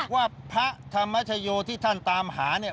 ว่าพระธรรมชโยที่ท่านตามหาเนี่ย